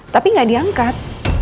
tapi gak diangkat